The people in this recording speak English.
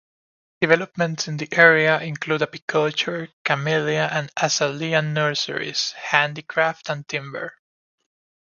Developments in the area include apiculture, camellia and azalea nurseries, handicrafts and timber.